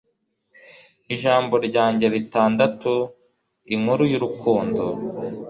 Ijambo ryanjye ritandatu inkuru y'urukundo: